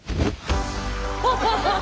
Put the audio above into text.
ハハハハ！